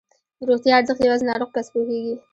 د روغتیا ارزښت یوازې ناروغ کس پوهېږي.